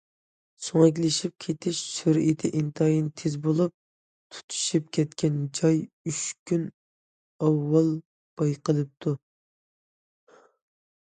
سۆڭەكلىشىپ كېتىش سۈرئىتى ئىنتايىن تېز بولۇپ، تۇتىشىپ كەتكەن جاي ئۈچ كۈن ئاۋۋال بايقىلىپتۇ.